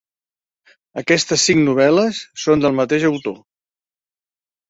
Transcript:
Aquestes cinc novel·les són del mateix autor.